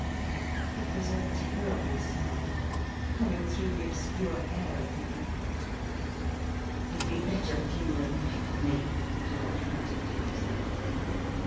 It was a terrible sound, coming through the obscure air of the evening. "You'd be better if you were in bed, Winnie," Gerald muttered to himself.